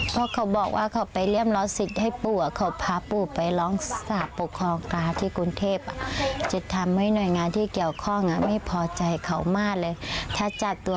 ติดตามจากรายงานค่ะ